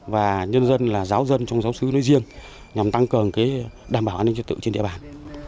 và nhân dân là giáo dân trong giáo sứ nói riêng nhằm tăng cường đảm bảo an ninh trật tự trên địa bàn